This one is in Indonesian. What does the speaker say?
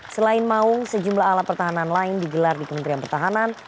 selain maung sejumlah alat pertahanan lain digelar di kementerian pertahanan